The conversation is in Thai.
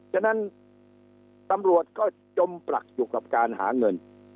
ฉะนั้นตำรวจก็จมปลักอยู่กับการหาเงิน